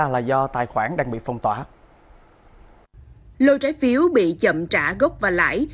lôi trái phiếu bị chậm trả gốc và lãi